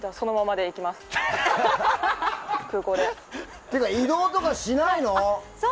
というか移動とかしないの？